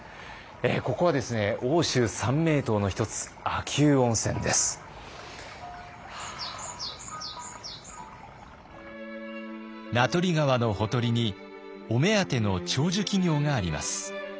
ここはですね名取川のほとりにお目当ての長寿企業があります。